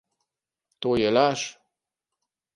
To je laž!